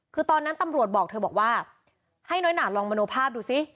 คือตอนนั้นตำรวจบอกเธอบอกว่าให้น้อยหนาลองมโนภาพดูซิ